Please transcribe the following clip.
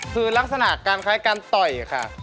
คือลักษณะการคล้ายการต่อยค่ะ